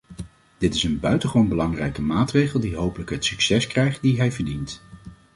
Dit is een buitengewoon belangrijke maatregel die hopelijk het succes krijgt die hij verdient.